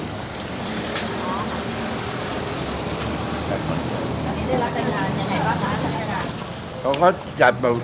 ตอนนี้ได้รับแต่งการยังไงก็ตามกันให้ได้